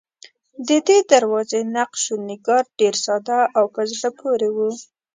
ددې دروازې نقش و نگار ډېر ساده او په زړه پورې و.